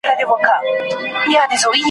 له ناکامه د خپل کور پر لور روان سو ,